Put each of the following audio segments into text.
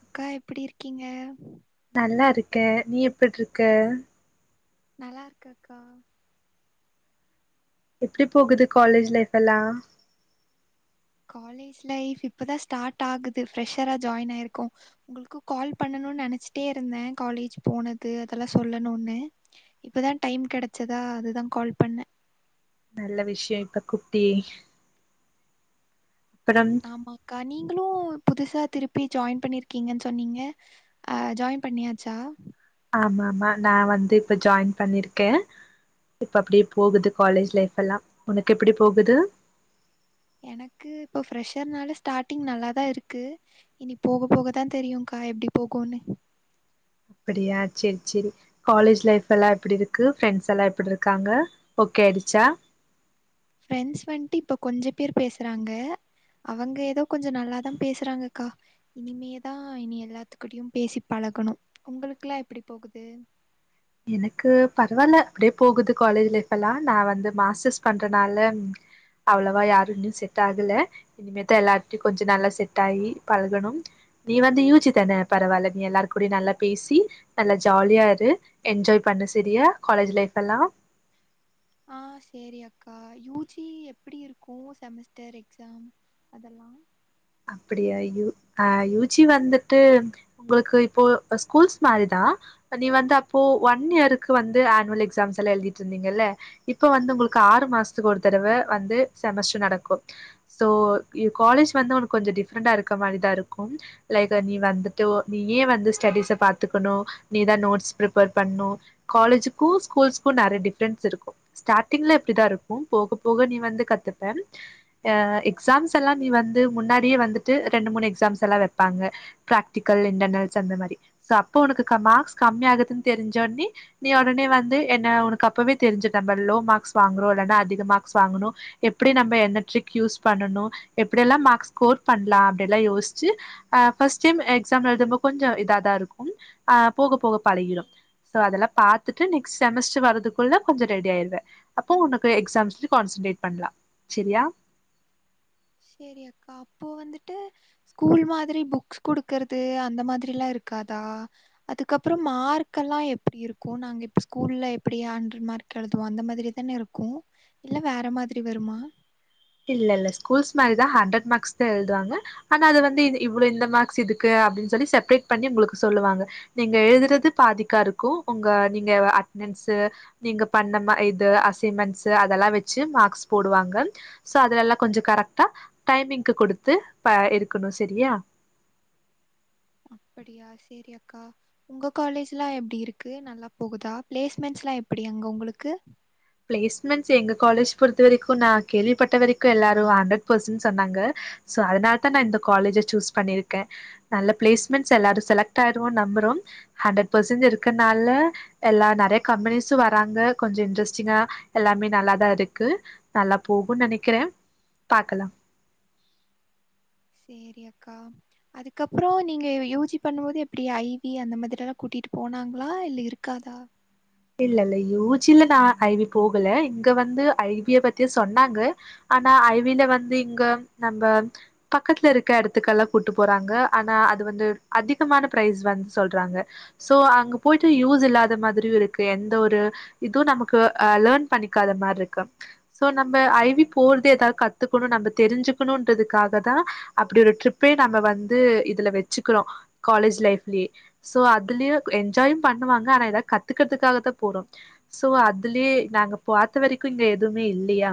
அக்கா எப்டி இருக்கீங்க நல்லா இருக்க நீ எப்பட்ருக்க நல்லாருக்கக்கா எப்டி போகுது காலேஜ் லைஃப் எல்லா காலேஜ் லைஃப் இப்பதா ஸ்டாட் ஆகுது ஃப்ரெஷ்ஷரா ஜாயின் ஆய்ருக்கோ உங்களுக்கு கால் பண்ணணு நெனச்சிட்ட இருந்த காலேஜ் போனது அதெல்லா சொல்லணுனு இப்பதா டைம் கெடச்சுதா அதுதா கால் பண்ண நல்ல விஷ்யோ இப்ப கூப்டியே அப்பற ஆமாக்கா நீங்களு புதுசா திருப்பி ஜாயின் பண்ணிருக்கீங்கன் சொன்னீங்க அ ஜாயின் பண்ணியாச்சா ஆமா ஆமா நா வந்து இப்ப ஜாயின் பண்ணிருக்கே இப்ப அப்டியே போவுது காலேஜ் லைஃப் எல்லா உனக்கு எப்டி போகுது எனக்கு இப்போ ஃப்ரெஷர்னால ஸ்டாடிங் நல்லாதா இருக்கு இனி போக போக தா தெரியுக்கா எப்டி போகுன்னு அப்டியா செரி செரி காலேஜ் லைஃப் எல்லா எப்டி இருக்கு ஃப்ரெண்ட்ஸ் எல்லா எப்டி இருக்காங்க ஓகே ஆயிடுச்சா ஃப்ரெண்ட்ஸ் வன்ட்டு இப்ப கொஞ்சோ பேர் பேசுறாங்க அவுங்க ஏதோ கொஞ்சோ நல்லாதா பேசுறாங்கக்கா இனிமே தா இனி எல்லாத்துக்கிட்டயு பேசி பழகணு உங்களுக்லா எப்டி போகுது எனக்கு பரவாயில்ல அப்டியே போகுது காலேஜ் லைஃப் எல்லா நா வந்து மாஸ்ஸர்ஸ் பண்றனால அவ்ளோவா யாரு இன்னு ஸெட் ஆகல இனிமேதா எல்லார்டையு கொஞ்சோ நல்லா ஸெட் ஆயி பழகணு நீ வந்து யூ. ஜி. தான பரவாயில்ல நீ எல்லாருக் கூடயு நல்லா பேசி நல்லா ஜாலியா இரு என்ஜாய் பண்ணு ஸெரிய காலேஜ் லைஃப் எல்லா ஆ ஸெரி அக்கா யூ. ஜி. எப்டி இருக்கு செமஸ்டர் எக்ஸாம் அதெல்லா அப்டியா யு ஆ யூ. ஜி. வந்துட்டு உங்களுக்கு இப்போ ஸ்கூல்ஸ் மாரிதா நீ வந்து அப்போ ஒன் இயருக்கு வந்து ஆனுவல் எக்ஸாம்ஸ் எல்லா எழுதிட்டு இர்ந்தீங்கல்ல இப்ப வந்து உங்களுக்கு ஆறு மாசத்துக்கு ஒரு தடவை வந்து செமஸ்டர் நடக்கு சோ காலேஜ் வந்து உனக்கு கொஞ்சோ டிஃப்ரெண்டா இருக்க மாரிதா இருக்கு லைக் நீ வந்துட்டு நீயே வந்து ஸ்டடிஸ பாத்துக்கணு நீதா நோட்ஸ் ப்ரிப்பர் பண்ணு காலேஜுக்கு ஸ்கூல்ஸுக்கு நிறைய டிஃப்ரென்ஸ் இருக்கு ஸ்டார்ட்டிங்ல இப்டிதா இருக்கு போக போக நீ வந்து கத்துப்ப ஆ எக்ஸாம்ஸ் எல்லா நீ வந்து முன்னாடியே வந்துட்டு ரெண்டு மூணு எக்ஸாம்ஸ் எல்லா வைப்பாங்க பிராக்டிக்கல் இன்டர்னல்ஸ் அந்த மாரி சோ அப்போ உனக்கு மார்க்ஸ் கம்மி ஆகுதுன்னு தெரிஞ்சோனே நீ உடனே வந்து என்ன உனக்கு அப்பவே தெரிஞ்சி நம்ம லோ மார்க்ஸ் வாங்குறோ இல்லன்னா அதிக மாக்ஸ் வாங்கணு எப்படி நம்ம என்ன ட்ரிக் யூஸ் பண்ணணு எப்படி எல்லா மார்க்ஸ் ஸ்கோர் பண்ணலா அப்படிலா யோசிச்சு ஆ ஃபர்ஸ்ட் டைம் எக்ஸாம்ல எழுதும்போ கொஞ்சோ இதாதா இருக்கு ஆ போக போக பழகிடு சோ அதெல்லா பாத்துட்டு நெக்ஜ்ட் செமஸ்டர் வரதுக்குள்ள கொஞ்ச ரெடி ஆயிடுவ அப்போ உனக்கு எக்ஸாம்ஸ் கான்சன்ட்ரேட் பண்ணலா சரியா சேரி அக்கா அப்போ வந்துட்டு ஸ்கூல் மாதிரி புக்ஸ் குடுக்குறது அந்த மாதிரிலா இருக்காதா அதுக்கப்புரோ மார்க்கெல்லா எப்டி இருக்கு நாங்க இப்போ ஸ்கூல்ல எப்டி ஹண்ட்ரட் மார்க் கழுதுவோ அந்த மாதிரிதான இருக்கு இல்ல வேற மாதிரி வருமா இல்ல இல்ல ஸ்கூல்ஸ் மாரிதா ஹண்ட்ரட் மார்க்ஸ்தா எழுதுவாங்க ஆனா அது வந்து இத் இவ்ளோ இந்த மார்க்ஸ் இதுக்கு அப்டின் சொல்லி செப்பரேட் பண்ணி உங்களுக்கு சொல்லுவாங்க நீங்க எழுதுறது பாதிக்கா இருக்கு உங்க நீங்க அட்னன்ஸு நீங்க பண்ண இது அசைன்மென்ட்ஸ் அதெல்லா வெச்சு மார்க்ஸ் போடுவாங்கள் ஸோ அதலெல்லா கொஞ்சோ கரெக்டா டைமிங்க்கு கொடுத்து ப இருக்கணு சரியா அப்படியா சேரி அக்கா உங்க காலேஜ்லா எப்டி இருக்கு நல்லா போகுதா பிளேஸ்மெண்ட்ஸ்லா எப்டி அங்க உங்களுக்கு பிளேஸ்மென்ட்ஸ் எங்க காலேஜ் பொறுத்த வரைக்கும் நா கேள்விப்பட்ட வரைக்கு எல்லாரு ஹண்ட்ரட் பர்சன்ட் சொன்னாங்க சோ அதனால தா நா இந்த காலேஜ சூஸ் பண்ணிருக்கே நல்ல பிளேஸ்மெண்ட்ஸ் எல்லாரு செலக்ட் ஆயிருவோ நம்புறோ ஹண்ட்ரட் பர்சன்ட் இருக்கனால எல்லா நிறைய கம்பனிஸும் வராங்க கொஞ்சம் இன்ட்ரெஸ்ட் சினா எல்லாமே நல்லாதா இருக்கு நல்லா போகுன் நெனைக்குறே பாக்கலா சேரி அக்கா அதுக்கப்பறோ நீங்க யூ ஜி பண்ணும்போது எப்டி ஐ வி அந்த மாதிரில்லா கூட்டிட்டு போனாங்களா இல்ல இருக்காதா இல்ல இல்ல யூ ஜில நா ஐ வி போகல இங்க வந்து ஐ விய பத்திய சொன்னாங்க ஆனா ஐ வில வந்து இங்க நம்ப பக்கத்துல இருக்க எடத்துக்கலா கூட்டு போறாங்க ஆனா அது வந்து அதிகமான ப்ரைஸ் வந்து சொல்றாங்க சோ அங்க போயிட்டு யூஸ் இல்லாத மாதிரியு இரு க்கு எந்த ஒரு இது நமக்கு அ லேர்ன் பண்ணிக்காத மார்ருக்கு சோ நம்ப ஐ வி போறது ஏதாவது கத்துக்கணு நம்ப தெருஞ்சுக்கணுன்றதுக்காக தா அப்டி ஒரு ட்ரிப்பே நம்ம வந்து இதுல வச்சுக்குறோ காலேஜ் லைஃப்லயே சோ அதுலயு என்ஜாயு பண்ணுவாங்க ஆனா ஏதாவது கத்துக்கிறதுக்காகத்தா போறோ சோ அதுலயே நாங்க பாத்த வரைக்கு இங்க எதுமே இல்லயா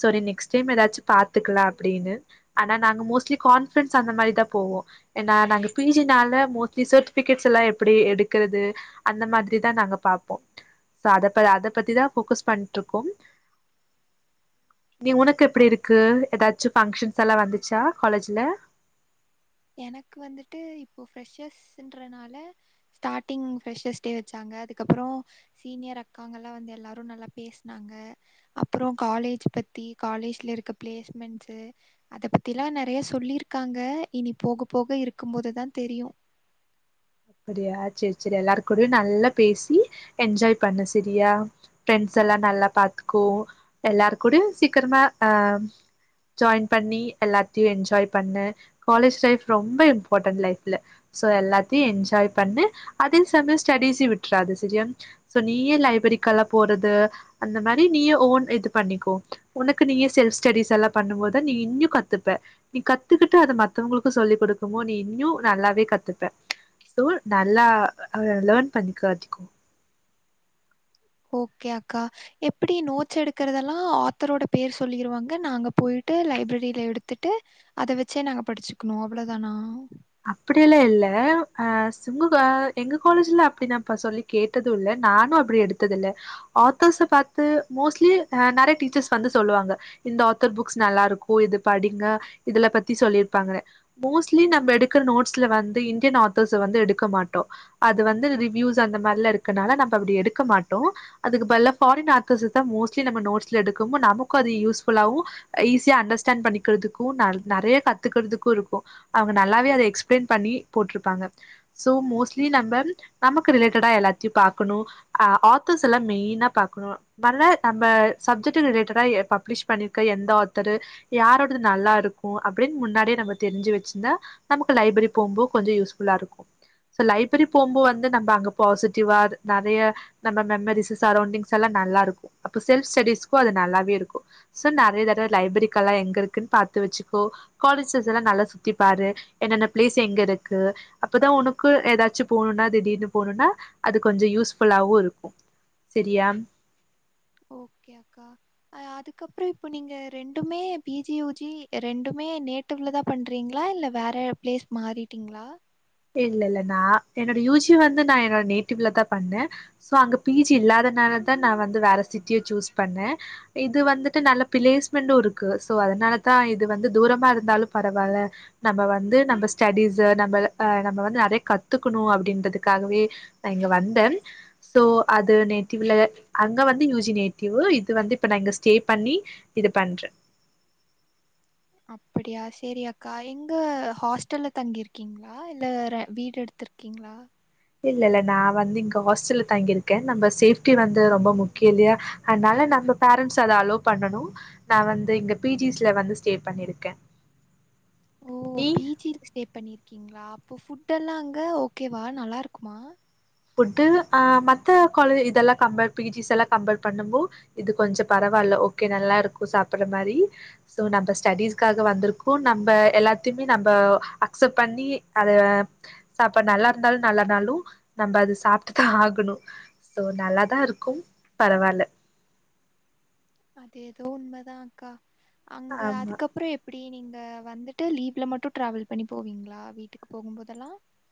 சோரி நெக்ஸ்ட் டைம் ஏதாச்சு பாத்துக்கலா அப்டீனு ஆனா நாங்க மோஸ்ட்லி கான்ஃபிரன்ஸ் அந்த மாரிதா போவோ ஏனா நாங்க பி ஜினால மோஸ்ட்லி சர்ட்டிபிகட்ஸ்ல்லா எப்டி எடுக்குறது அந்த மாதிரி தா நாங்க பாப்போ சோ அத ப அத பத்திதா ஃபோக்கஸ் பண்ட்ருக்கோம் நீ உனக்கு எப்டி அப் இருக்கு எதாச்சு ஃபங்ஷன்ஸல்லா வந்துச்சா காலேஜுல எனக்கு வந்துட்டு இப்போ ஃப்ரெஷர்ஸுன்றனால ஸ்டார்டிங் ஃப்ரஷர்ஸ் டே வச்சாங்க அதுக்கப்பறோ சீனியர் அக்காங்கல்லா வந்து எல்லாரு நல்லா பேஸ்னாங்க அப்பறோ காலேஜ் பத்தி காலேஜுல இருக்க பிளேஸ்மண்ட்ஸு அத பத்திலா நெறைய சொல்லிருக்காங்க இனி போக போக இருக்கும் போதுதா தெரியு அப்டியா செரி செரி எல்லார்கூடயு நல்லா பேசி என்ஜாய் பண்ணு செரியா ஃப்ரெண்ட்ஸ்சல்லா நல்லா பாத்துக்கோ எல்லார்கூடயு சீக்கரமா அ ஜாய்ன் பண்ணி எல்லாத்தையு என்ஜாய் பண்ணு காலேஜ் லைஃப் ரொம்ப இம்பார்ட்டன் லைஃப்ல சோ எல்லாத்தையு என்ஜாய் பண்ணு அதே சமயொ ஸ்டடிஸயு விட்றாத செரியா சோ நீயே லைப்ரரிக்கலா போறது அந்த மாரி நீயு ஓன் இது பண்ணிக்கோ ஒனக்கு நீயே செல்ஃப் ஸ்டடிஸ்சல்லா பண்ணும்போதுதா நீ இன்யு கத்துப்ப நீ கத்துக்கிட்டு அத மத்தவங்களுக்கு சொல்லிக் குடுக்குமோ நீ இன்யு நல்லாவே கத்துப்ப சோ நல்லா அ லேர்ன் பண்ணிக்கோ அதிகோ ஓகே அக்கா எப்டி நோட்ஸ் எடுக்கறதல்லா ஆத்தரோட பேர் சொல்லிருவாங்க நாங்க போய்ட்டு லைப்ரரில எடுத்துட்டு அத வச்சே நாங்க படுச்சுக்கணு அவ்ளோதானா அப்படியெல்லா இல்ல ஆ சுமுகா எங்க காலேஜ்ல அப்டி தாப்பா சொல்லி கேட்டது இல்ல நானு அப்டி எடுத்ததில்ல ஆத்தர்ஸ்ஸ பாத்து மோஸ்ட்லி அ நெறைய டீச்சர்ஸ் வந்து சொல்லுவாங்க இந்த ஆத்தர் புக்ஸ் நல்லாருக்கு இது படிங்க இதுல பத்தி சொல்லிருப்பாங்க மோஸ்ட்லி நம்ம எடுக் குற நோட்ஸ்ல வந்து இன்டியன் ஆத்தர்ஸ வந்து எடுக்க மாட்டோ அது வந்து ரிவ்யூஸ் அந்த மாரிலா இருக்கனால நம்ப அப்டி எடுக்க மாட்டோ அதுக்கு பதிலா ஃபாரின் ஆத்தர்ஸ தா மோஸ்ட்லி நம்ம நோட்ஸ்ல எடுக்குமு நமக்கு அது யூஸ்ஃபுல்லாவு ஈஸியா அண்டன்ஸ்டாண்ட் பண்ணிக்கிறதுக்கு ந நெறைய கத்துக்கறதுக்கு இருக்கு அவுங்க ந நல்லாவே அத எக்ஸ்பிளைன் பண்ணி போட்ருப்பாங்க சோ மோஸ்ட்லி நம்ப நமக்கு ரிலேட்டடா எல்லாத்தையு பாக்கணு ஆ ஆத்தர்ஸ்ஸெல்லா மெய்னா பாக்கணு நல்லா நம்ப சப்ஜெக்ட்டு ரிலேட்டடா எ பப்ளிஷ் பண்ணிருக்க எந்த ஆத்தரு யாரோடது நல்லாருக்கோ அப்டின் முன்னாடியே நம்ம தெரிஞ்சு வச்சிருந்தா நமக்கு லைப்ரி போம்போ கொஞ்சோ யூஸ்ஃபுல்லாயிருக்கு சோ லைப்ரி போம்போது வந்து நம்ப அங்க பாசிட்டிவா அது நெறய நம்ம மெம்மரிசு சரௌண்டிங்ஸ்ஸெல்லா நல்லாருக்கு அப்ப செல்ஃப் ஸ்டடிஸ்க்கு அது நல்லாவே இருக்கு சோ நெறைய தடவ லைப்ரரிக்கல்லா எங்க இருக்குன்னு பாத்து வச்சிக்கோ காலேஜஸ்லா நல்லா சுத்தி பாரு என்னென்ன ப்ளேஸ் எங்கருக்கு அப்பதா ஒனக்கு எதாச்சு போணும்னா திடீர்னு போணும்னா அது கொஞ்சோ யூஸ்ஃபுல்லாவு இருக்கு செரியா ஓகே அக்கா அ அதுக்கப்புற இப்ப நீங்க ரெண்டுமே பீ ஜி யூ ஜி ரெண்டுமே நே டிவ்ல தா பண்றீங்களா இல்ல வேற ப்ளேஸ் மாறிட்டீங்ளா இல்ல இல்ல நா என்னோட யூ ஜி வந்து நா என்னோட நேட்டிவ்ல தா பண்ணே சோ அங்க பீ ஜி இல்லாதனாலதா நா வந்து வேற சிட்டிய சூஸ் பண்ண இது வந்துட்டு நல்ல பிளேஸ்மெண்ட்டு இருக்கு சோ அதனாலதா இது வந்து தூரமா இருந்தாலு பரவாயில்ல நம்ப வந்து நம்ப ஸ்டடிஸ் நம்ப அ நம்ம வந்து நறைய கத்துக்கணு அப்படின்றதுக்காகவே நா இங்க வந்த சோ அது நேட்டிவ்வுல அங்க வந்து யூ ஜி நேட்டிவ் இது வந்து இப்ப நா இங்க ஸ்டே பண்ணி இது பண்ற அப்படியா சேரி அக்கா எங்க ஹாஸ்டல்ல தங்கிருக்கீங்களா இல்ல ர வீடு எடுத்துருக் கிங்ளா இல்லல்ல நா வந்து இங்க ஹாஸ்டல்ல தங்கிருக்க நம்ம சேஃப்ட்டி வந்து ரொம்ப முக்கிய இல்லயா அதனால நம்ப பேரண்ட்ஸ் அத அலோ பண்ணணு நா வந்து இங்க பி ஜிஸ்ல வந்து ஸ்டே பண்ணியிருக்க ஓ பி ஜில ஸ்டே பண்ணியிருக்கீங்களா அப்ப ஃபுடெல்லாம் அங்க ஓகேவா நல்லாருக்குமா ஃபுட்டு அ மத்த காலு இதெல்லா கம்பேர் பி ஜிஸ்ஸெல்லா கம்பேர் பண்ணும்போ இது கொஞ்ச பரவாயில்ல ஓகே நல்லாயிருக்கு சாப்புட்ற மாரி ஸோ நம்ப ஸ்டடிஸ்க்காக வந்துருக்கோ நம்ப எல்லாத்தியுமே நம்ப அக்சப் பண்ணி அத சப்பாட் நல்லாருந்தாலு நல்லனாலு நம்ப அது சாப்ட்டு தா ஆகணு ஸோ நல்லாதா இருக்கும் பரவால்ல அது எதோ உண்ம தான்க்கா அங்க ஆமா அதுக்க ப்புறோ எப்டி நீங்க வந்துட்டு லீவ்ல மட்டு ட்ராவல் பண்ணி போவீங்ளா வீட்டுக்கு போகும்போதல்லா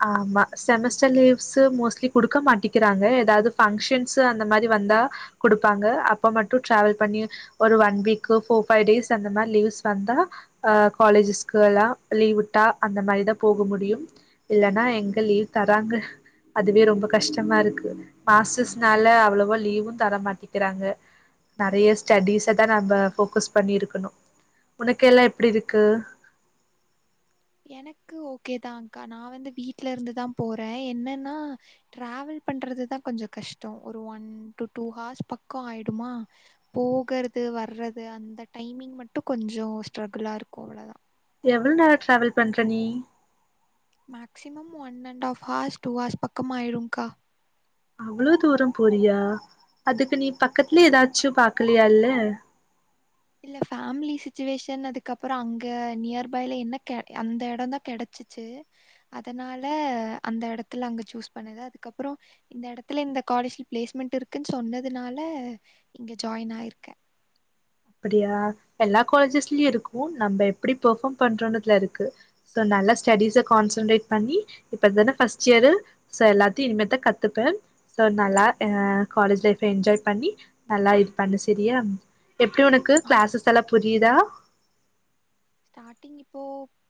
ஆமா செமஸ்டர் லீவ்ஸு மோஸ்ட்லி குடுக்க மாட்டிக்கிறாங்க ஏதாவ்து ஃபங்க்ஷன்ஸு அந்த மாரி வந்தா குடுப்பாங்க அப்ப மட்டு ட்ராவல் பண்ணி ஒரு one week four five days அந்த மாரி லீவ்ஸ் வந்தா அ காலேஜஸ்க்கு எல்லா லீவ் விட்டா அந்த மாரிதா போக முடியும் இல்லனா எங்க லீவ் தராங்க அதுவே ரொம்ப கஷ்டமா இருக்கு மாஸ்டர்ஸ்னால அவ்வளவா லீவும் தர மாட்டிக்கிறாங்க நறைய ஸ்டடீஸ தா நம்ப ஃபோக்கஸ் பண்ணி இருக்கணு உனக்கெல்லா எப்டி இருக்கு எனக்கு ஓகேதான் அக்கா நா வந்து வீட்லருந்துதான் போறே என்னன்னா ட்ராவல் பண்றதுதா கொஞ்சொ கஷ்டொ ஒரு ஒன் டு டூ ஹார்ஸ் பக்கொ ஆயிடுமா போகறது வர்றது அந்த டைமிங் மட்டு கொஞ்சோ ஸ்ட்ரகுளாருக்கு அவ்ளோதா எவள் நேர ட்ராவல் பண்ற நீ maximum one and half hours two hours பக்கம் ஆயிருங்கா அவளோ தூரோம் போறியா அதுக்கு நீ பக்கத்துலே ஏதாச்சு பாக்கலையா இல்ல இல்ல ஃபேமிலி சுச்சுவேஷன் அதுக்குப்புற அங்க நியர் பைல என்ன க அந்த எட தா கெடைச்சி ச்சு அதனால அந்த எடத்துல அங்க சூஸ் பண்ணது அதுக்கப்பறோ இந்த எடத்துல இந்த காலேஜ்ல பிளேஸ்மென்ட் இருக்குன் சொன்னதுனால இங்க ஜாயின் ஆயிருக்க அப்படியா எல்லா காலேஜஸ்லயு இருக்கு நம்ம எப்டி பெர்ஃபார்ம் பண்றோன்றதுல இருக்கு சோ நல்ல ஸ்டெடிஸ கான்சன்ட்ரேட் பண்ணி இப்ப இதான ஃபஸ்ட் இயரு சோ எல்லாத்தையு இனிமேத்தா கத்துப்ப சோ நல்லா ஆ காலேஜ் லைஃப்ப என்ஜாய் பண்ணி நல்லா இது பண்ணு செரியா எப்டி ஒனக்கு ஆ க்ளாஸஸ்ஸெல்லா புரியுதா ஸ்டாட்டிங் இப்போ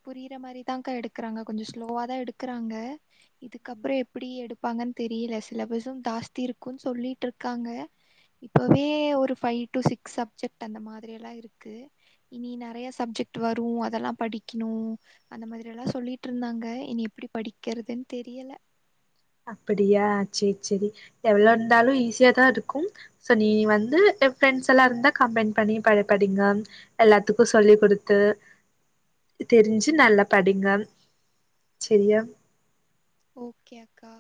புரியிற மாரிதாக்கா எடுக்குறாங்க கொஞ்சொ ஸ்லோவா தா எடுக்குறாங்க இதுக்கப்பறோ எப்டி எடுப்பாங்கன் தெரியல சிலபஸும் தாஸ்தி இருக்குன்னு சொல்லீட்ருக்காங்க இப்பவே ஒரு ஃபை டு சிக்ஸ் சப்ஜெக்ட் அந்த மாதிரி எல்லா இருக்கு இனி நறைய சப்ஜெக்ட்டு வரு அதல்லா படிக்ணு அந்த மாதிரி எல்லா சொல்லீட்ருந்தாங்க இனி எப்டி படிக்கறதுன் தெரியல அப்பிடியா சேர் செரி எவ்ளோ இருந்தாலு ஈஸியா தா இருக்கு சோ நீ வந்து என் ஃப்ரெண்ட்ஸ் எல்லா இருந்தா கம்பைண் பண்ணி ப படிங்க எல்லாத்துக்கு சொல்லி குடுத்து தெரிஞ்சு நல்லா படிங்க செரியா ஓகே அக்கா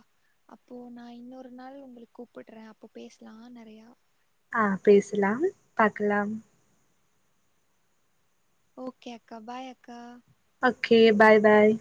அப்போ நா இன்னொரு நாள் உங்களுக்கு கூப்புடுறே அப்போ பேசலா நறையா ஆ பேசலாம் பாக்கலாம் ஓகே அக்கா பாய் அக்கா ஓகே பாய் பாய்